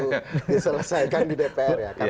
diselesaikan di dpr ya